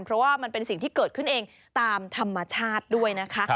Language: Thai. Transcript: เพราะว่ามันเป็นสิ่งที่เกิดขึ้นเองตามธรรมชาติด้วยนะคะ